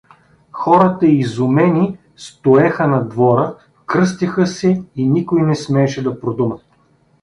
Хората, изумени, стоеха на двора, кръстеха се и никой не смееше да продума.